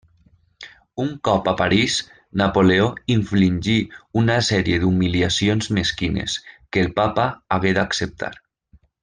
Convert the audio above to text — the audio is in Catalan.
Un cop a París, Napoleó infligí una sèrie d'humiliacions mesquines, que el Papa hagué d'acceptar.